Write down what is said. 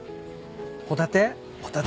ホタテ？